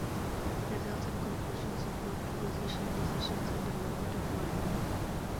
Results and conclusions support acquisition decisions and development of war plans.